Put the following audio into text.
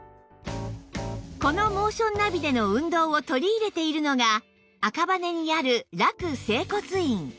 このモーションナビでの運動を取り入れているのが赤羽にある楽整骨院